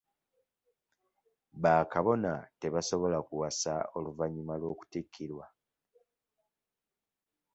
Ba Kabona tebasobola kuwasa oluvannyuma lw'okuttikirwa.